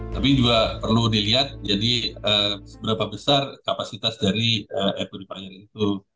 tapi juga perlu dilihat jadi seberapa besar kapasitas dari air purifier itu